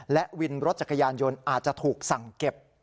และวินรถจักรยานยนต์อาจจะถูกสั่งเก็บ